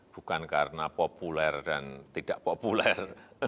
bukan karena populer dan tidak populer